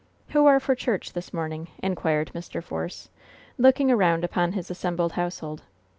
"Who are for church this morning?" inquired Mr. Force, looking around upon his assembled household.